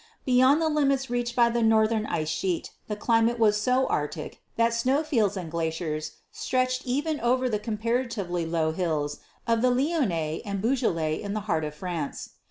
Beyond the limits reached by the northern ice sheet the climate was so arctic that snow fields and glaciers stretched even over the comparatively low hills of the Lyonnais and Beaujolais in the heart of France.